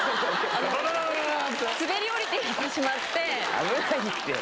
危ないって。